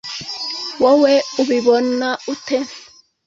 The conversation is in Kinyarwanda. Wowe ubibona ute